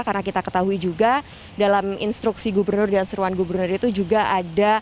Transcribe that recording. karena kita ketahui juga dalam instruksi gubernur dan seruan gubernur itu juga ada pengawasan yang ada di luar jakarta